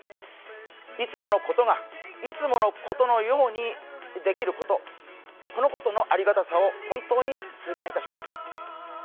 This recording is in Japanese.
いつものことが、いつものことのようにできること、このことのありがたさを本当に痛感いたします。